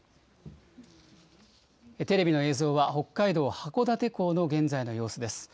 テレビの映像は北海道函館港の現在の様子です。